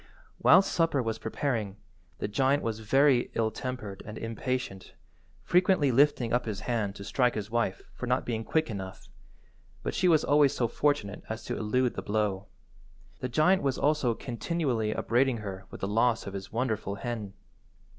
Whilst supper was preparing, the giant was very ill–tempered and impatient, frequently lifting up his hand to strike his wife for not being quick enough, but she was always so fortunate as to elude the blow. The giant was also continually upbraiding her with the loss of his wonderful hen.